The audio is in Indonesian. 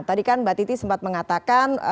tadi kan mbak titi sempat mengatakan